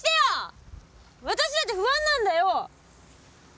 私だって不安なんだよ！